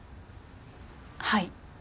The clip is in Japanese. はい。